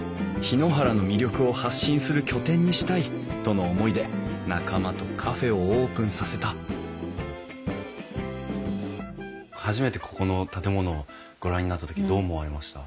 檜原の魅力を発信する拠点にしたいとの思いで仲間とカフェをオープンさせた初めてここの建物をご覧になった時どう思われました？